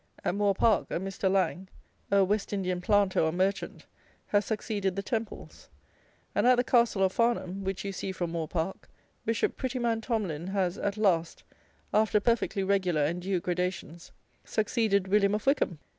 At Moore Park, a Mr. Laing, a West Indian planter or merchant, has succeeded the Temples; and at the castle of Farnham, which you see from Moore Park, Bishop Prettyman Tomline has, at last, after perfectly regular and due gradations, succeeded William of Wykham!